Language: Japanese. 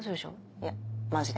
いやマジで。